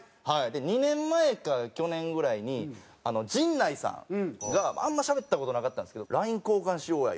で２年前か去年ぐらいに陣内さんがあんましゃべった事なかったんですけど「ＬＩＮＥ交換しようや」